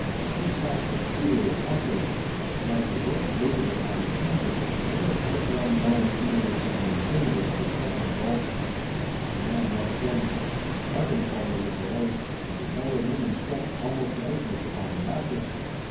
This task was speedily accomplished; and as the door grated upon its hinges, another heart wrung moan emanated from the interior of the second vault. The man rushed in; Markham followed with the light, and beheld a woman stretched almost lifeless upon the mattress.